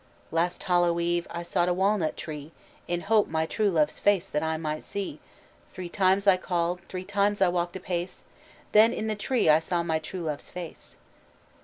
"Last Hallow Eve I sought a walnut tree, In hope my true Love's face that I might see; Three times I called, three times I walked apace; Then in the tree I saw my true Love's face."